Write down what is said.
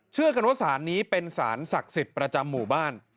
เชื่อกันว่าสารนี้เป็นสารศักดิ์สิทธิ์ประจำหมู่บ้าน